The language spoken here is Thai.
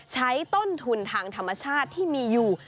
ใช้ต้นทุนทางธรรมชาติที่มีอยู่